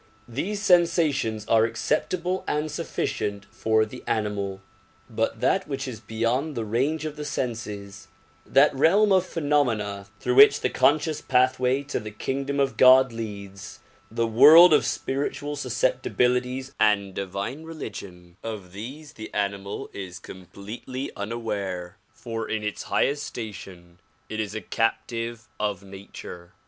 These sensations are acceptable and sufficient for the animal. But that which is be yond the range of the senses, that realm of phenomena through which the conscious pathway to the kingdom of God leads, the world of spiritual susceptibilities and divine religion, — of these the animal is completely unaware, for in its highest station it is a captive of nature.